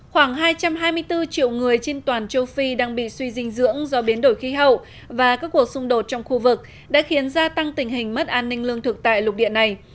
khoảng hai trăm hai mươi bốn triệu người trên toàn châu phi đang bị suy dinh dưỡng do biến đổi khí hậu và các cuộc xung đột trong khu vực đã khiến gia tăng tình hình mất an ninh lương thực tại lục địa này